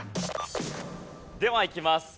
ではいきます。